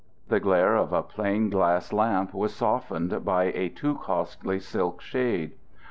The glare of a plain glass lamp was softened by a too costly silk shade.